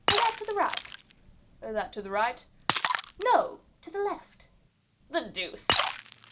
"That to the right." "That to the right?" "No, to the left." "The deuce!"